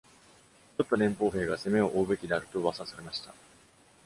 酔った連邦兵が責めを負うべきであるとうわさされました。